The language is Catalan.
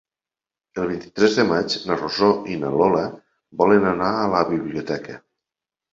El vint-i-tres de maig na Rosó i na Lola volen anar a la biblioteca.